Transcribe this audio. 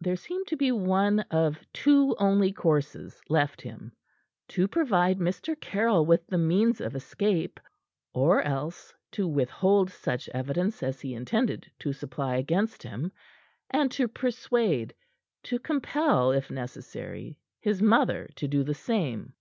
There seemed to be one of two only courses left him: to provide Mr. Caryll with the means of escape, or else to withhold such evidence as he intended to supply against him, and to persuade to compel, if necessary his mother to do the same.